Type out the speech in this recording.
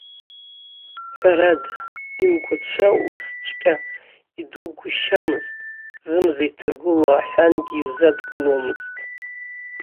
Ҳәарада, имгәацәа усҵәҟьа идугәышьамызт, зымза иҭагылоу аҳәангьы иузадкыломызт.